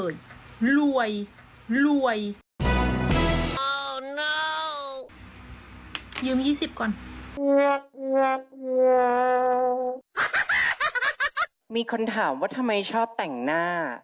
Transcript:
มีคนถามว่าทำไมชอบแต่งหน้า